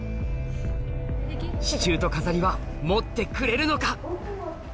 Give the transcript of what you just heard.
支柱と飾りは持ってくれるのか？